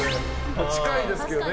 近いですけどね。